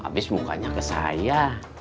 habis mukanya ke saya